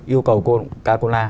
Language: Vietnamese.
yêu cầu coca cola